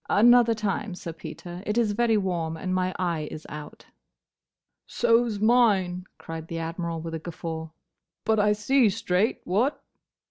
"Another time, Sir Peter. It is very warm, and my eye is out." "So 's mine," cried the Admiral, with a guffaw; "but I see straight, what?"